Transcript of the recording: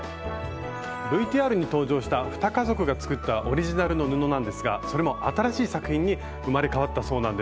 ＶＴＲに登場した２家族が作ったオリジナルの布なんですがそれも新しい作品に生まれ変わったそうなんです。